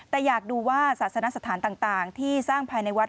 แต่อยากดูว่าศาสนสถานต่างที่สร้างภายในวัด